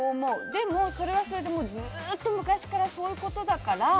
でも、それはそれでずっと昔からそういうことだから。